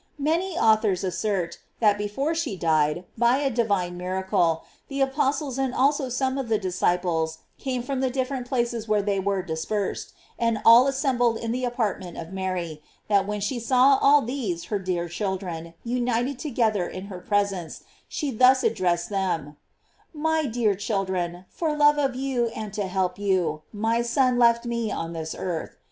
Many authors assert,* that before she died, by a divine miracle, the apostles and also some of the disciples came from the different places where they were dispersed, and all assembled in the apartment of Mary, and that when she saw all these her dear children united together in her presence, she thus addressed them: My dear children, for love of you, and to help you, my Son left me on this earth.